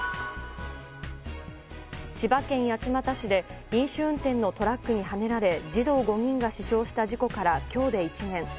千葉県八街市で飲酒運転のトラックにはねられ児童５人が死傷した事故から今日で１年。